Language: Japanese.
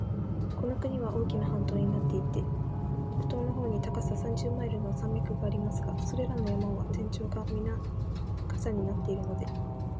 この国は大きな半島になっていて、北東の方に高さ三十マイルの山脈がありますが、それらの山は頂上がみな火山になっているので、